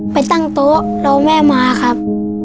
ไปตั้งโต๊ะรอแม่มาครับ